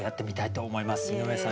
井上さん